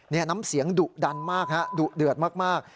นี่น้ำเสียงดุดันมากฮะดุเดือดมาก